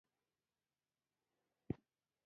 بودا او ګاندي دا لار ښودلې.